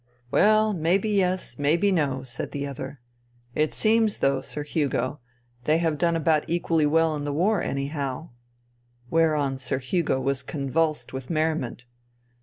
" Well, may be yes ; may be no," said the other. *' It seems, though. Sir Hugo, they have done about equally well in the war, anyhow." Whereon Sir Hugo was convulsed with merriment.